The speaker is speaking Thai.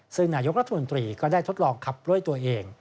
ซึ่งนายกรัฐมนตรีก็ได้ทดลองขับด้วยตัวเอง